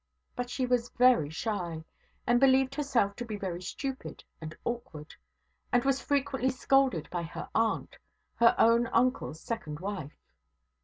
But she was very shy, and believed herself to be very stupid and awkward; and was frequently scolded by her aunt, her own uncle's second wife.